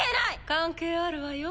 関係あるわよ。